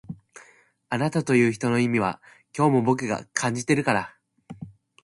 あなたという人の意味は今日も僕が感じてるから